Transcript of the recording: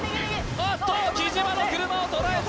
おっと貴島の車をとらえた！